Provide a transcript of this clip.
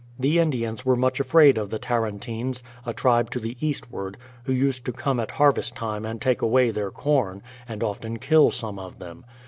The Indians were much afraid of the Tarantines, a tribe to the eastward, who used to come at harvest time and take away their corn, and often kill some of them.